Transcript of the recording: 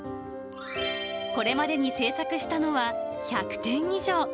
これまでに制作したのは、１００点以上。